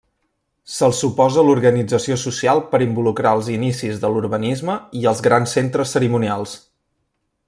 Se'ls suposa l'organització social per involucrar els inicis de l'urbanisme i els grans centres cerimonials.